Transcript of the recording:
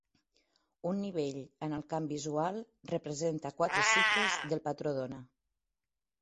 Un nivell en el camp visual representa quatre cicles del patró d'ona.